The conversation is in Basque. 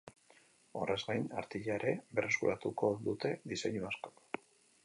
Horrez gain, artilea ere berreskuratuko dute diseinu askok.